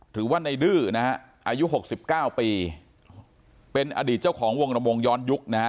หรือว่าในดื้อนะฮะอายุหกสิบเก้าปีเป็นอดีตเจ้าของวงระวงย้อนยุคนะฮะ